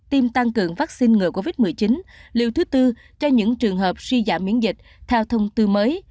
tiêm tăng cường vaccine ngừa covid một mươi chín liều thứ tư cho những trường hợp suy giảm miễn dịch theo thông tư mới